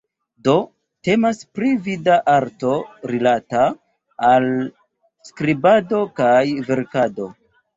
Do, temas pri vida arto rilata al skribado kaj verkado.